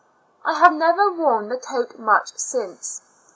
I have never worn the coat much since.